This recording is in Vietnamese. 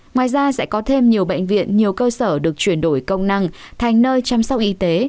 ngoài ra sẽ có thêm nhiều bệnh viện nhiều cơ sở được chuyển đổi công năng thành nơi chăm sóc y tế